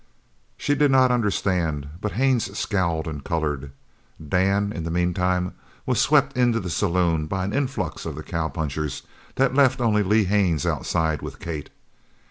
She did not understand, but Haines scowled and coloured. Dan, in the meantime, was swept into the saloon by an influx of the cowpunchers that left only Lee Haines outside with Kate.